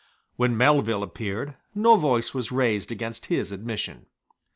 When Melville appeared, no voice was raised against his admission.